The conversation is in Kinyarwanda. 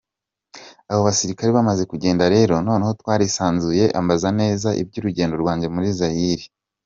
Abo basirikare bamaze kugenda rero, noneho twarisanzuye ambaza neza iby’urugendo rwanjye muri Zaïre.